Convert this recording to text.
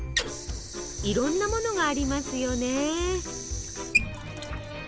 いろんなものがありますよね！